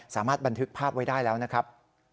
สามารถบันทึกภาพไว้ได้แล้วนะครับ